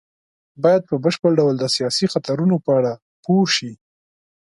بايد په بشپړ ډول د سياسي خطرونو په اړه پوه شي.